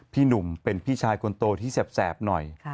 พี่หนุ่มเป็นพี่ชายคนโตที่แสบหน่อย